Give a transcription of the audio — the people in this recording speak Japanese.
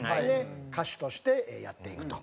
歌手としてやっていくと。